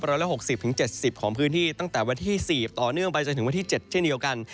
ร้อยละ๖๐๗๐ของพื้นที่ตั้งแต่วันที่๔ต่อเนื่องไปจนถึงวันที่๗เช่นเดียวกัน